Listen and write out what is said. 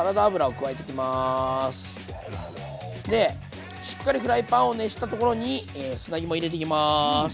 でしっかりフライパンを熱したところに砂肝入れていきます。